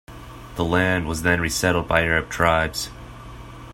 The land was then resettled by Arab tribes.